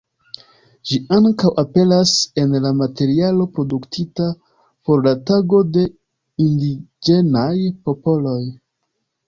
Ĝi ankaŭ aperas en la materialo produktita por la Tago de indiĝenaj popoloj.